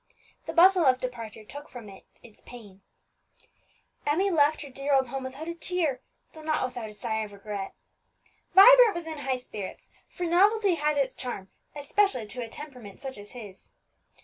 The bustle of departure took from its pain; Emmie left her dear old home without a tear, though not without a sigh of regret. Vibert was in high spirits, for novelty has its charm, especially to a temperament such as his.